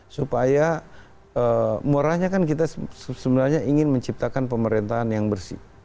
supaya murahnya kan kita sebenarnya ingin menciptakan pemerintahan yang bersih